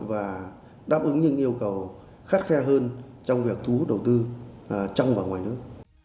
và đáp ứng những yêu cầu khắt khe hơn trong việc thu hút đầu tư trong và ngoài nước